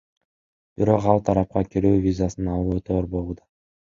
Бирок ал тарапка кирүү визасын алуу өтө оор болууда.